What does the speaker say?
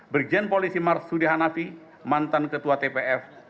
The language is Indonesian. brigjen polisi marsudi hanafi mantan ketua tpf